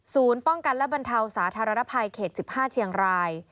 ป้องกันและบรรเทาสาธารณภัยเขต๑๕เชียงราย